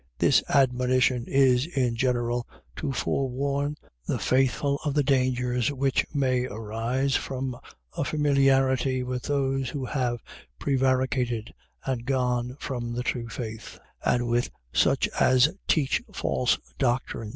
. .This admonition is in general, to forewarn the faithful of the dangers which may arise from a familiarity with those who have prevaricated and gone from the true faith, and with such as teach false doctrine.